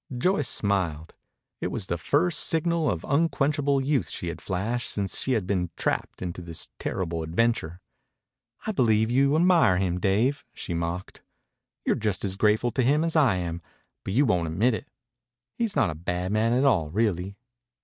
Joyce smiled. It was the first signal of unquenchable youth she had flashed since she had been trapped into this terrible adventure. "I believe you admire him, Dave," she mocked. "You're just as grateful to him as I am, but you won't admit it. He's not a bad man at all, really."